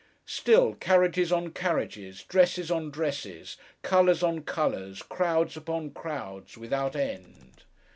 Still, carriages on carriages, dresses on dresses, colours on colours, crowds upon crowds, without end.